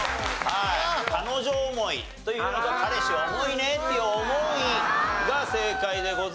彼女思いというのと彼氏重いねっていう「おもい」が正解でございましたが。